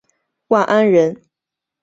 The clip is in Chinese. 万安人。